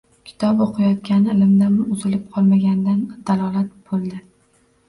Kitob oʻqiyotgani, ilmdan uzilib qolmaganidan dalolat bo'ldi.